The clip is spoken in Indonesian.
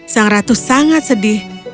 sang ratu sangat sedih